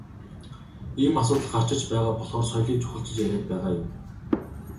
Ийм асуудал гарч ирж байгаа болохоор соёлыг чухалчилж яриад байгаа юм.